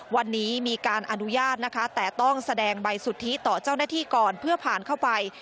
วันนี้มีการอนุญาตนะคะแต่ต้องแสดงใบสุทธิต่อเจ้าหน้าที่ก่อนเพื่อผ่านเข้าไป